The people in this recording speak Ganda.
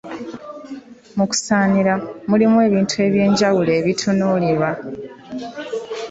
Mu kusaanira, mulimu ebintu eby’enjawulo ebitunuulirwa.